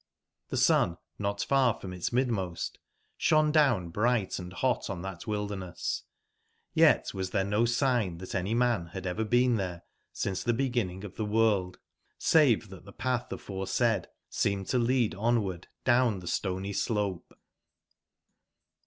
TTbe sun not far from its midmost sbone down brigbt & bot on tbat wilder ness ; yet was tbere no sign tbat any man bad ever been tberesince tbe beginning of tbe world, save tbat tbe patb aforesaid seemed to lead onward down tbe stony slope.